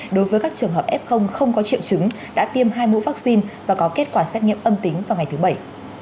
đối với các trường hợp f không có triệu chứng đã tiêm hai mũi vaccine và có kết quả xét nghiệm âm tính vào ngày thứ bảy